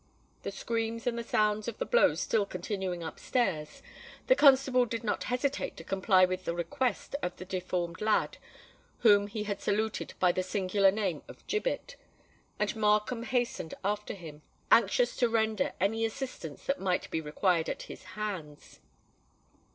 The screams and the sounds of the blows still continuing up stairs, the constable did not hesitate to comply with the request of the deformed lad whom he had saluted by the singular name of Gibbet; and Markham hastened after him, anxious to render any assistance that might be required at his hands.